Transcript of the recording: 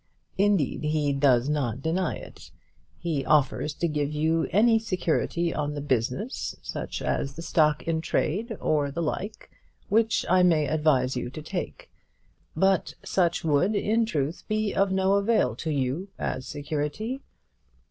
Indeed, he does not deny it. He offers to give you any security on the business, such as the stock in trade or the like, which I may advise you to take. But such would in truth be of no avail to you as security.